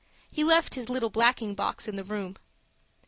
He left his little blacking box in the room.